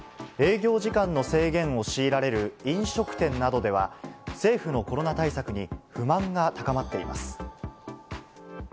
営業時間の制限を強いられる飲食店などでは、政府のコロナ対策に不満が高まっています。